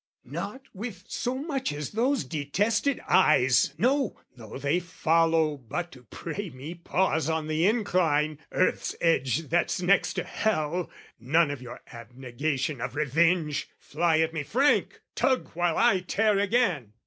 Not with so much as those detested eyes, No, though they follow but to pray me pause On the incline, earth's edge that's next to hell! None of your abnegation of revenge! Fly at me frank, tug while I tear again!